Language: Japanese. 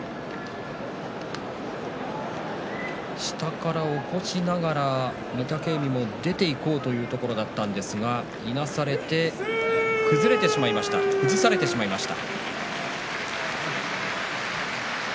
下から起こしながら御嶽海も出ていこうというところだったんですが、いなされて崩されてしまいました。